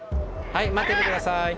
はい待ってて下さい。